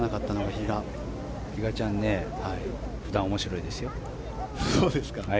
比嘉ちゃんね普段、面白いですよ。